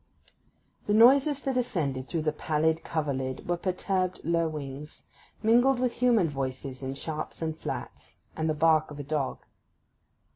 The noises that ascended through the pallid coverlid were perturbed lowings, mingled with human voices in sharps and flats, and the bark of a dog.